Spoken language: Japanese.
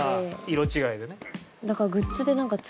色違いでね。